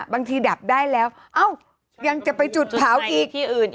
บางทีดับได้แล้วอ้าวยังจะไปจุดเผาอีก